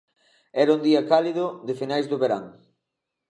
Era un día cálido de finais do verán.